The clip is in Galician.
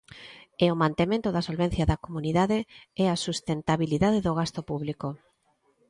E o mantemento da solvencia da comunidade e a sustentabilidade do gasto público.